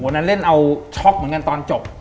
นั้นเล่นเอาช็อกเหมือนกันตอนจบ